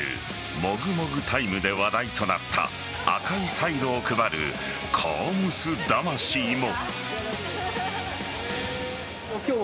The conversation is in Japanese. もぐもぐタイムで話題となった赤いサイロを配るカー娘魂も。